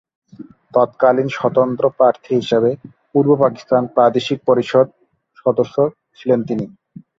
তৎকালীন স্বতন্ত্র প্রার্থী হিসেবে পূর্বপাকিস্তান প্রাদেশিক পরিষদ সদস্য ছিলেন তিনি।